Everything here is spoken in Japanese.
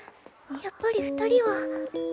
やっぱり二人は。